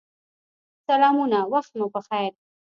سلامونه وخت مو پخیر